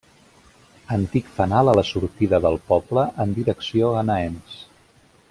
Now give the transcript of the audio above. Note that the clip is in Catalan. Antic fanal a la sortida del poble en direcció a Naens.